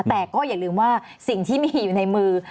แต่ก็อย่าลืมว่าสิ่งที่มีอยู่ในมือ